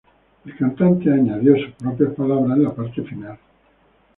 El cantante añadió sus propias palabras en la parte final.